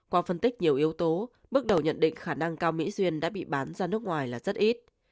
qua phân tích nhiều yếu tố bước đầu nhận định khả năng cao mỹ duyên đã bị bán ra nước ngoài là rất ít